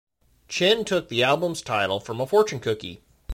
Chinn took the album's title from a fortune cookie.